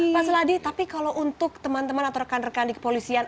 pak seladi tapi kalau untuk teman teman atau rekan rekan di kepolisian